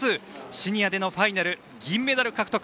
シニアでのファイナル銀メダル獲得。